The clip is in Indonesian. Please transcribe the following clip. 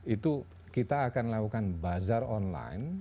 itu kita akan lakukan bazar online